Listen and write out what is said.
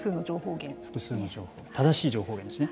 正しい情報源ですね。